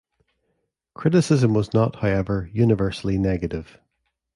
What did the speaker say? Criticism was not, however, universally negative.